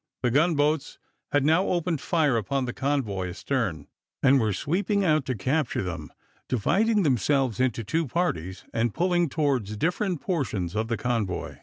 The gun boats had now opened fire upon the convoy astern, and were sweeping out to capture them, dividing themselves into two parties, and pulling towards different portions of the convoy.